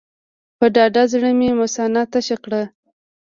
په ډاډه زړه مې مثانه تشه کړه.